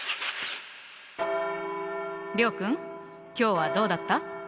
諒君今日はどうだった？